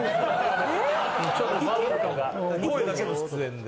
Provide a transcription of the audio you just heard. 声だけの出演で。